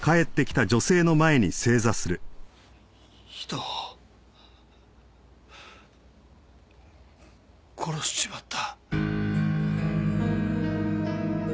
人を殺しちまった。